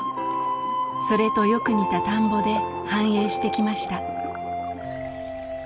それとよく似た田んぼで繁栄してきました。